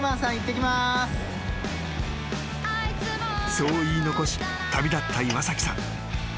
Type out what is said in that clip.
［そう言い残し旅立った岩崎さん］